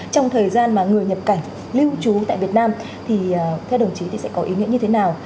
trong thời gian mà người nhập cảnh lưu trú tại việt nam thì theo đồng chí thì sẽ có ý nghĩa như thế nào